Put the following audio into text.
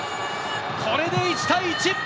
これで１対１。